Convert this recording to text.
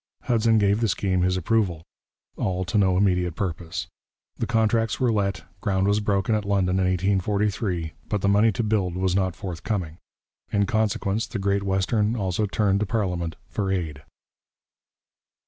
Hudson gave the scheme his approval. All to no immediate purpose. The contracts were let, ground was broken at London in 1843, but the money to build was not forthcoming. In consequence the Great Western also turned to parliament for aid.